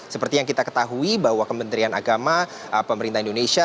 seperti yang kita ketahui bahwa kementerian agama pemerintah indonesia